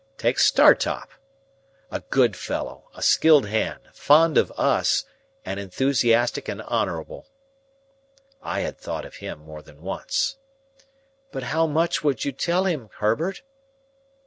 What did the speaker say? Take Startop. A good fellow, a skilled hand, fond of us, and enthusiastic and honourable." I had thought of him more than once. "But how much would you tell him, Herbert?"